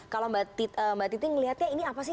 kalau mbak titi melihatnya ini apa sih